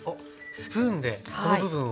スプーンでこの部分を？